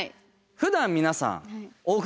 ふだん皆さん小栗